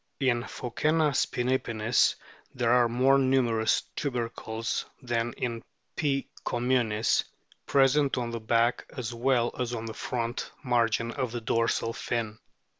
In Phoccena spinipinnis there are more numerous tubercles than in P. com munis, present on the back as well as on the front margin of the dorsal fin.